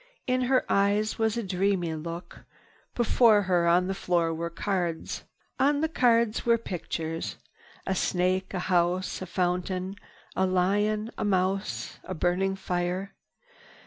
In her eyes was a dreamy look. Before her on the floor were cards. On the cards were pictures—a snake, a house, a fountain, a lion, a mouse, a burning fire.